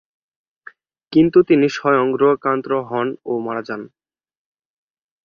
কিন্তু তিনি স্বয়ং রোগাক্রান্ত হন ও মারা যান।